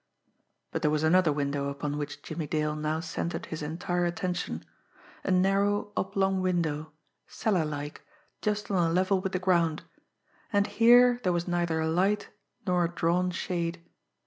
But there was another window upon which Jimmie Dale now centred his entire attention a narrow, oblong window, cellar like, just on a level with the ground and here there was neither a light nor a drawn shade.